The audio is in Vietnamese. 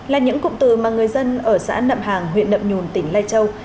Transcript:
là những cụm từ mà người dân ở xã nậm hàng huyện nậm nhùn tỉnh lai châu